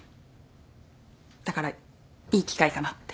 だからいい機会かなって。